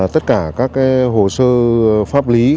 tất cả các hồ sơ pháp lý